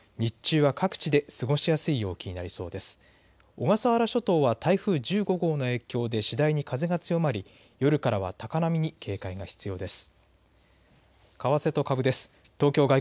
小笠原諸島は台風１５号の影響で次第に風が強まり夜からは高波に警戒が必要です。